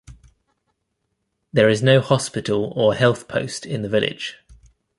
There is no hospital or health post in the village.